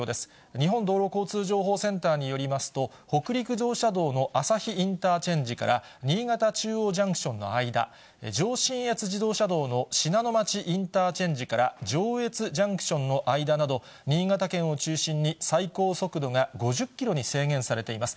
日本道路交通情報センターによりますと、北陸自動車道の朝日インターチェンジから新潟中央ジャンクションの間、上信越自動車道の信濃町インターチェンジから上越ジャンクションの間など、新潟県を中心に最高速度が５０キロに制限されています。